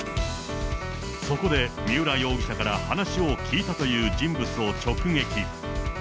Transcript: そこで三浦容疑者から話を聞いたという人物を直撃。